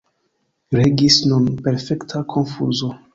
Regis nun perfekta konfuzo.